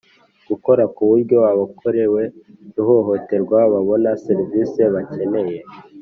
Gukora ku buryo abakorewe ihohoterwa babona serivisi bakeneye.